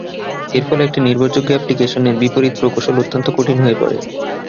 এর ফলে একটি নির্ভরযোগ্য অ্যাপ্লিকেশনের বিপরীত প্রকৌশল অত্যন্ত কঠিন হয়ে পড়ে।